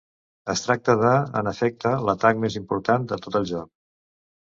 Es tracta de, en efecte, l'atac més important de tot el joc.